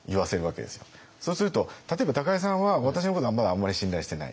そうすると例えば高井さんは私のことはまだあんまり信頼してない。